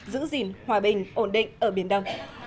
giữ gìn hòa bình ổn định ở biển đông